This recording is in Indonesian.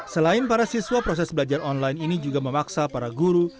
selain para siswa proses belajar online ini juga memaksa para guru